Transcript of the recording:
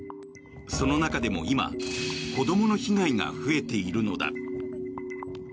その中でも今、子供の被害が増えているのだ。